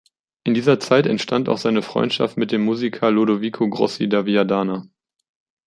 In dieser Zeit entstand auch seine Freundschaft mit dem Musiker Lodovico Grossi da Viadana.